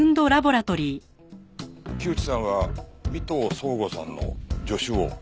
木内さんは尾藤奏吾さんの助手を？